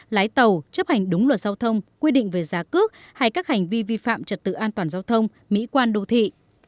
lái tàu chấp hành đúng luật giao thông quy định về giá cước hay các hành vi vi phạm trật tự an toàn giao thông mỹ quan đô thị